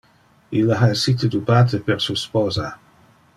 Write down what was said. Ille ha essite dupate per su sposa.